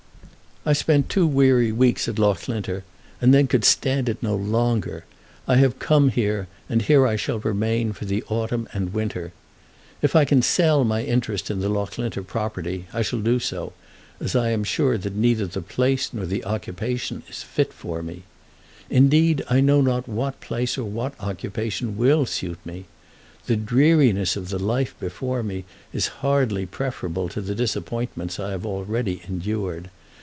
I spent two weary weeks at Loughlinter, and then could stand it no longer. I have come here, and here I shall remain for the autumn and winter. If I can sell my interest in the Loughlinter property I shall do so, as I am sure that neither the place nor the occupation is fit for me. Indeed I know not what place or what occupation will suit me! The dreariness of the life before me is hardly preferable to the disappointments I have already endured.